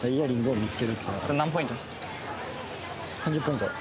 ３０ポイント